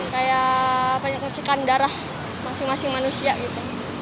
kayak ngecikan darah masing masing manusia gitu